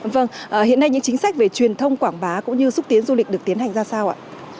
vâng hiện nay những chính sách về truyền thông quảng bá cũng như xúc tiến du lịch được tiến hành ra sao ạ